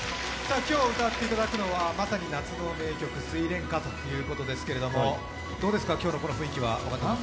今日歌っていただくのはまさに夏の名曲「睡蓮花」ということですがどうですか、この雰囲気は。